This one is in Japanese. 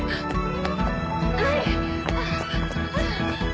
はい！